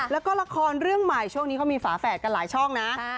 แล้วก็ละครเรื่องใหม่ช่วงนี้เขามีฝาแฝดกันหลายช่องนะ